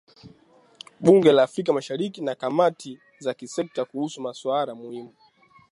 Bunge la Afrika Mashariki na kamati za kisekta kuhusu masuala muhimu